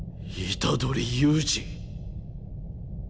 虎杖悠仁。